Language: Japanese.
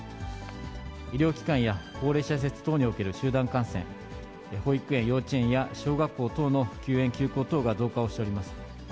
医療機関や高齢者施設等における集団感染、保育園、幼稚園や小学校等の休園休校等が増加をしております。